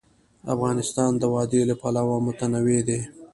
افغانستان د وادي له پلوه متنوع دی.